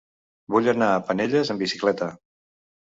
Vull anar a Penelles amb bicicleta.